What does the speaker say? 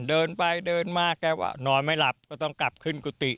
เดินไปเดินมาแกก็นอนไม่หลับก็ต้องกลับขึ้นกุฏิ